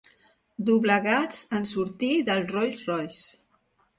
Doblegats en sortir del Rolls Royce.